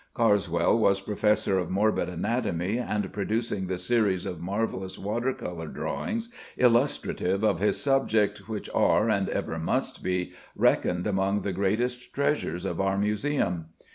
Carswell was professor of morbid anatomy, and producing the series of marvellous water colour drawings illustrative of his subject which are, and ever must be, reckoned among the greatest treasures of our museum.